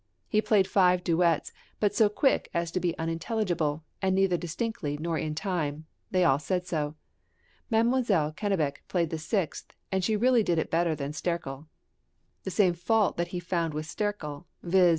He played five duets, but so quick as to be unintelligible, and neither distinctly nor in time they all said so. Mdlle. Cannabich played the sixth, and she really did it better than Sterkel." The same fault that he found with Sterkel, viz.